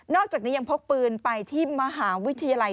อกจากนี้ยังพกปืนไปที่มหาวิทยาลัย